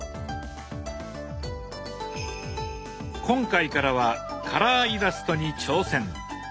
今回からはカラーイラストに挑戦。